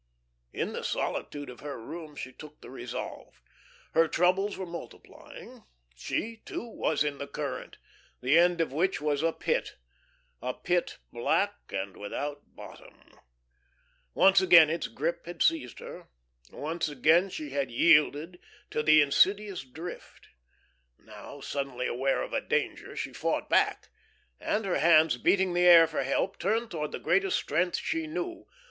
In the solitude of her room she took the resolve. Her troubles were multiplying; she, too, was in the current, the end of which was a pit a pit black and without bottom. Once already its grip had seized her, once already she had yielded to the insidious drift. Now suddenly aware of a danger, she fought back, and her hands beating the air for help, turned towards the greatest strength she knew.